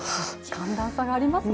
寒暖差がありますね。